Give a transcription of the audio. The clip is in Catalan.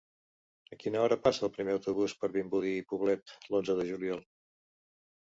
A quina hora passa el primer autobús per Vimbodí i Poblet l'onze de juliol?